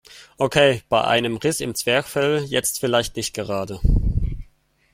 Okay, bei einem Riss im Zwerchfell jetzt vielleicht nicht gerade.